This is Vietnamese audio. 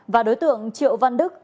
và đối tượng triệu văn đức